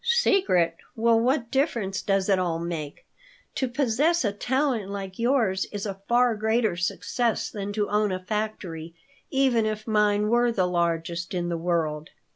"Secret! Well, what difference does it all make? To possess a talent like yours is a far greater success than to own a factory, even if mine were the largest in the world."